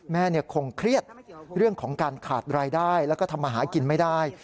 แม่คงเครียดเรื่องของการขาดรายได้แล้วก็ทำมาหากินไม่ได้